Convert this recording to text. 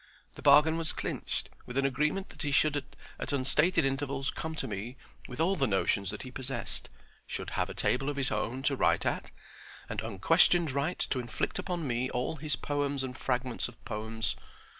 The bargain was clinched with an agreement that he should at unstated intervals come to me with all the notions that he possessed, should have a table of his own to write at, and unquestioned right to inflict upon me all his poems and fragments of poems.